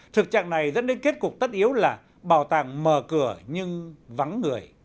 thực trạng này dẫn đến kết cục tất yếu là bảo tàng mở cửa nhưng vắng người